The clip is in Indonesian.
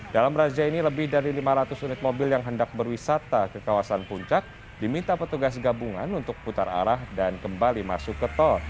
dalam razia ini lebih dari lima ratus unit mobil yang hendak berwisata ke kawasan puncak diminta petugas gabungan untuk putar arah dan kembali masuk ke tol